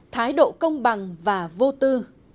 ba thái độ công bằng và vô tư